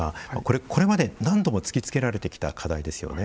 これまで何度も突きつけられてきた課題ですよね。